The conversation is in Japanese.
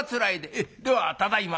ええではただいま」。